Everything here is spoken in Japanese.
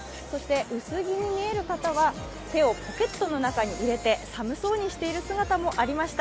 薄着に見える方は手をポケットの中に入れて寒そうにしている姿もありました。